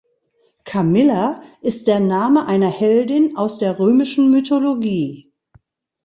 Camilla ist der Name einer Heldin aus der Römischen Mythologie.